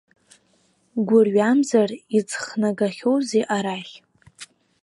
Гәырҩамзар иӡхнагахьоузеи арахь?